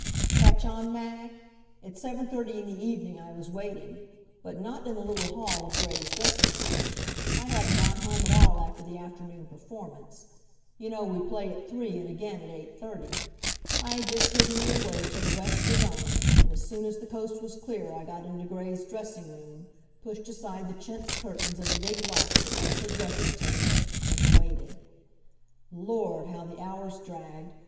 Catch on, Mag? At seven thirty in the evening I was waiting; but not in the little hall of Gray's dressing room. I hadn't gone home at all after the afternoon performance you know we play at three, and again at eight thirty. I had just hidden me away till the rest were gone, and as soon as the coast was clear I got into Gray's dressing room, pushed aside the chintz curtains of the big box that makes her dressing table and waited. Lord, how the hours dragged!